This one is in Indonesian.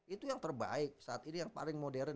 itu yang terbaik saat ini yang paling modern